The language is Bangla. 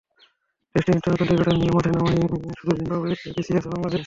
টেস্টে নিত্যনতুন ক্রিকেটার নিয়ে মাঠে নামায় শুধু জিম্বাবুয়ের চেয়ে পিছিয়ে আছে বাংলাদেশ।